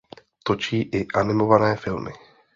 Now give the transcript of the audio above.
Točí i animované filmy.